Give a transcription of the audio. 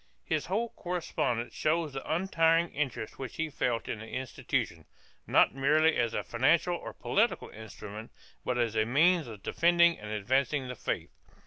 2 His whole correspondence shows the untiring interest which he felt in the institution, not merely as a financial or political instrument, but as a means of defending and advancing the faith.